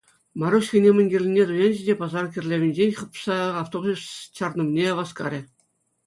Маруҫ хӑйне мӗн кирлине туянчӗ те пасар кӗрлевӗнчен хӑпса автобус чарӑнӑвне васкарӗ.